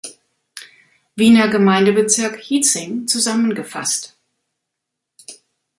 Wiener Gemeindebezirk, Hietzing, zusammengefasst.